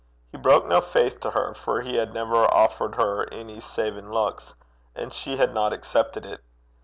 He broke no faith to her; for he had never offered her any save in looks, and she had not accepted it.